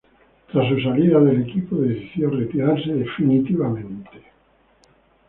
Tras su salida del equipo, decidió retirarse definitivamente.